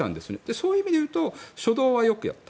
そういう意味で言うと初動はよくやった。